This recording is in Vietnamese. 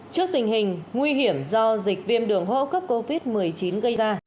trước tình hình nguy hiểm do dịch viêm đường hỗ cấp covid một mươi chín gây ra